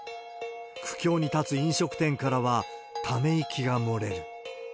苦境に立つ飲食店からはため息が漏れる。